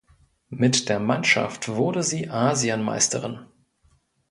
Mit der Mannschaft wurde sie Asienmeisterin.